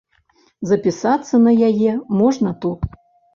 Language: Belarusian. Запісацца на яе можна тут.